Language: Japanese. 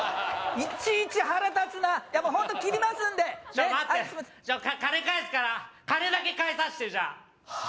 いちいち腹立つなホント切りますんでちょ待って金返すから金だけ返させては？